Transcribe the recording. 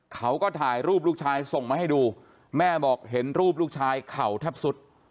เขาก็ถ่ายรูปลูกชายส่งมาให้ดูแม่บอกเห็นรูปลูกชายเข่าแทบสุด